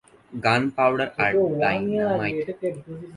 গান পাউডার আর ডায়নামাইট।